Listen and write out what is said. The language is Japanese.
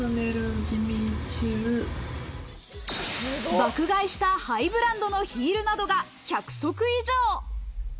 爆買いしたハイブランドのヒールなどが１００足以上。